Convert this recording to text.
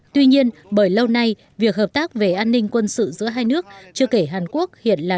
tuy nhiên bởi lâu nay việc hợp tác về an ninh quân sự giữa hai nước